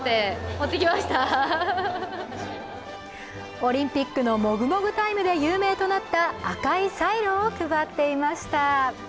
オリンピックのもぐもぐタイムで有名となった赤いサイロを配っていました。